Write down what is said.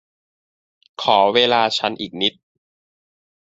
ขอเวลาฉันอีกนิด